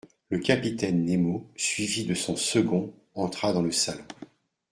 Le capitaine Nemo, suivi de son second, entra dans le salon.